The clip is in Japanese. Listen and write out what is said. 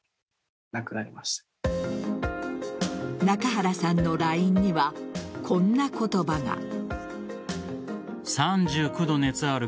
仲原さんのＬＩＮＥにはこんな言葉が。